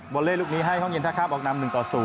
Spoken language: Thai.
อเล่ลูกนี้ให้ห้องเย็นท่าข้ามออกนำ๑ต่อ๐